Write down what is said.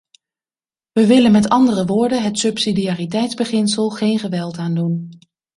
We willen met andere woorden het subsidiariteitsbeginsel geen geweld aandoen.